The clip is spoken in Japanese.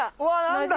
何だ？